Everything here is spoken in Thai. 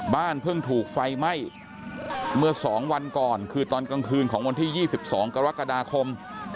บ้านเพิ่งถูกไฟไหม้เมื่อ๒วันก่อนคือตอนกลางคืนของวันที่๒๒กรกฎาคม